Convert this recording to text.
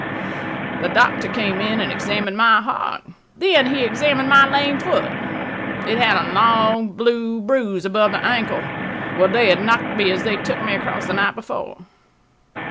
The doctor came and examined my heart. Then he examined my lame foot. It had a long blue bruise above the ankle, where they had knocked me as they took me across the night before.